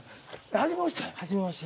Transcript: はじめまして？